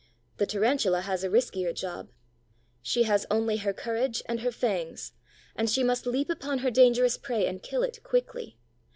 The Tarantula has a riskier job. She has only her courage and her fangs, and she must leap upon her dangerous prey and kill it quickly.